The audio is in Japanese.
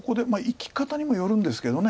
生き方にもよるんですけど。